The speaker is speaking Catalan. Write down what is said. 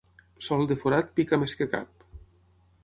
Sol de forat pica més que cap.